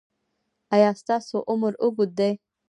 ایا ستاسو عمر اوږد دی؟